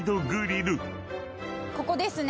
ここですね。